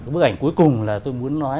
bức ảnh cuối cùng là tôi muốn nói